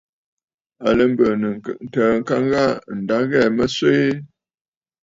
À lɛ mbɨ̀ɨ̀nə̀ ntəə ŋka ghaa, ǹda ɨ ghɛɛ̀ mə swee.